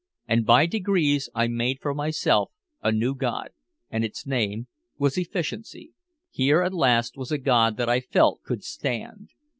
And by degrees I made for myself a new god, and its name was Efficiency. Here at last was a god that I felt could stand!